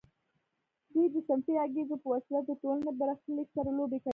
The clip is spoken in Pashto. دوی د صنفي انګیزو په وسیله د ټولنې برخلیک سره لوبې کوي